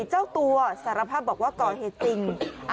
เจ้าตัวสารภาพบอกว่าก่อเหตุจริง